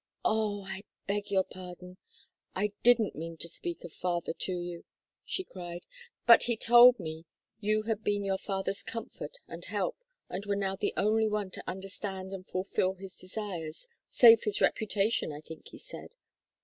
"Oh, I beg your pardon I didn't mean to speak of father to you," she cried. "But he told me you had been your father's comfort and help, and were now the only one to understand and fulfil his desires save his reputation, I think he said.